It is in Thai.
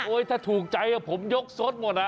โอ๊ยถ้าถูกใจเนี้ยผมหยกสดหมด